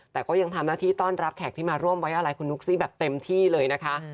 แต่ก็ยังทำหน้าที่ต้อนรับแขกที่มาร่วมไว้อะไรคุณนุ๊กซี่แบบเต็มที่เลยนะคะ